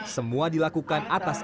semua dilakukan atas asasnya